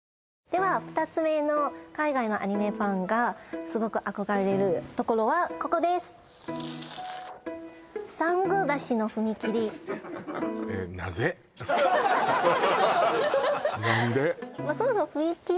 では２つ目の海外のアニメファンがすごく憧れるところはここです何で？